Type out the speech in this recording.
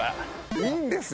いいんですよ。